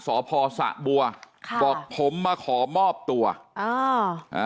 สพสะบัวค่ะบอกผมมาขอมอบตัวอ่าอ่า